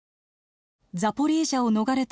ザポリージャを逃れたあと